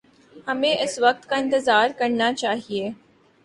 ہمیں اس وقت کا انتظار کرنا چاہیے۔